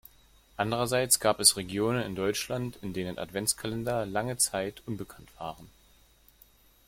Andererseits gab es Regionen in Deutschland, in denen Adventskalender lange Zeit unbekannt waren.